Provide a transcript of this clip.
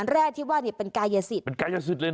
แร่ที่ว่าเป็นกายสิทธิ์